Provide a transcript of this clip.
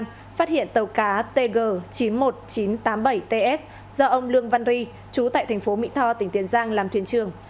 phát hiện tàu cá tg chín mươi một nghìn chín trăm tám mươi bảy ts do ông lương văn ri chú tại thành phố mỹ tho tỉnh tiền giang làm thuyền trường